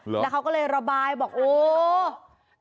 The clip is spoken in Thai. แล้วเขาก็เลยระบายบอกโอ้